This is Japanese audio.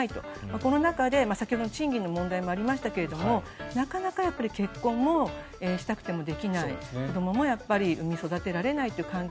この中で先ほどの賃金の問題ありましたがなかなか結婚をしたくてもできない子どもも生み育てられないという環境。